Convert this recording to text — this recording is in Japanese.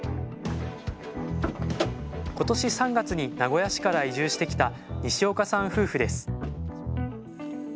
今年３月に名古屋市から移住してきた西岡さん夫婦です